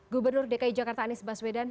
gubernur dki jakarta anies baswedan